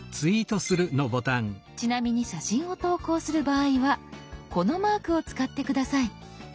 ちなみに写真を投稿する場合はこのマークを使って下さい。